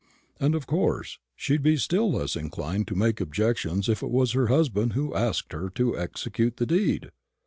And, of course, she'd be still less inclined to make objections if it was her husband who asked her to execute the deed.